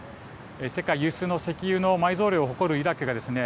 世界有数の石油の埋蔵量を誇るイラクがですね